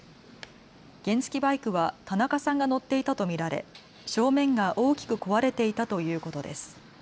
原付きバイクは田中さんが乗っていたと見られ正面が大きく壊れていたということです。